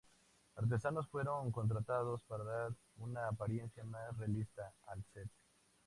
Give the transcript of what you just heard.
Artesanos fueron contratados para dar una apariencia más realista al set.